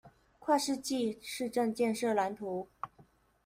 跨世紀市政建設藍圖